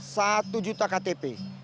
satu juta ktp